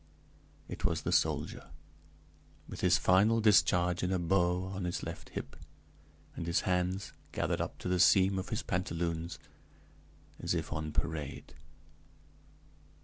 it was the soldier, with his final discharge in a bow on his left hip, and his hands gathered up to the seam of his pantaloons, as if on parade.